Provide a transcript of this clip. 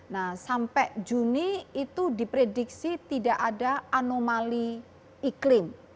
nah sampai juni itu diprediksi tidak ada anomali iklim